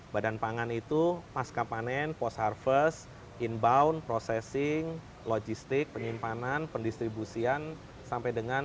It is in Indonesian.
badan pangan itu pasca panen post harvest inbound processing logistik penyimpanan penyusupan dan penyusupan